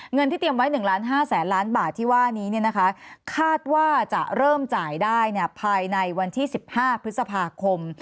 เงินที่เตรียมไว้๑ล้าน๕แสนล้านบาทที่ว่านี้คาดว่าจะเริ่มจ่ายได้ภายในวันที่๑๕พฤษภาคม